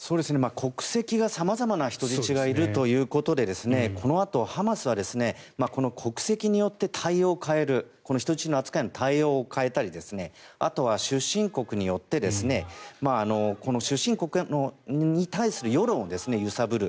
国籍が様々な人質がいるということでこのあとハマスは国籍によって対応を変える人質の扱いの対応を変えたりあとは出身国によって出身国に対する世論を揺さぶる。